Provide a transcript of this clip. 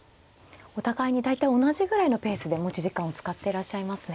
お互いに大体同じぐらいのペースで持ち時間を使ってらっしゃいますね。